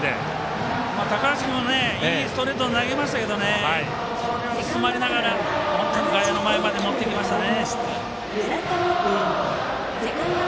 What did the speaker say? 高橋君もいいストレートを投げましたけどそれを詰まりながら本当に外野の前までよく持っていきましたね。